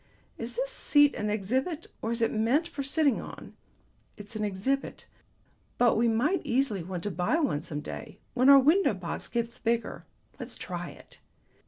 Is this seat an exhibit or is it meant for sitting on?" "It's an exhibit, but we might easily want to buy one some day, when our window box gets bigger. Let's try it."